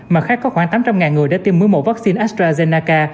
mà khác có khoảng tám trăm linh người đã tiêm mũi một vaccine astrazeneca